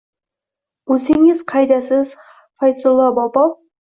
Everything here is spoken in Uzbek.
O’zingiz qaydasiz, Fayzullo bobo?!